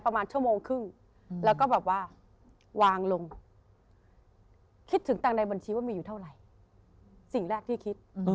แปลกที่คิด